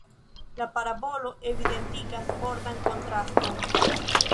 La parabolo evidentigas fortan kontraston.